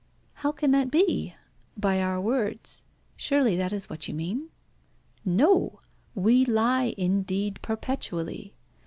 "How can that be? By our words. Surely that is what you mean?" "No, we lie indeed perpetually.